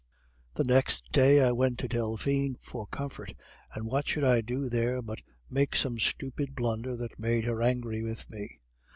"The next day I went to Delphine for comfort, and what should I do there but make some stupid blunder that made her angry with me.